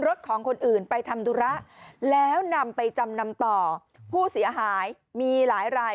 ของคนอื่นไปทำธุระแล้วนำไปจำนำต่อผู้เสียหายมีหลายราย